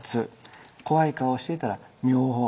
怖い顔をしていたら明王。